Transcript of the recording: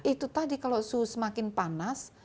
itu tadi kalau suhu semakin panas